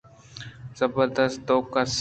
زبردست! دوکس